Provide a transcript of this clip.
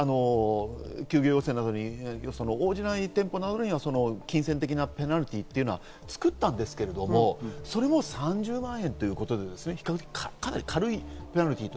休業要請などに応じない店舗などに金銭的なペナルティーというのを作ったんですけど、それも３０万円ということで比較的、軽いペナルティー。